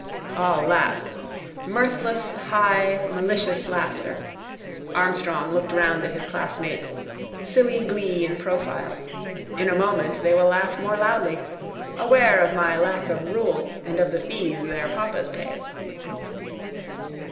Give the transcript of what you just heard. All laughed. Mirthless high malicious laughter. Armstrong looked round at his classmates, silly glee in profile. In a moment they will laugh more loudly, aware of my lack of rule and of the fees their papas pay.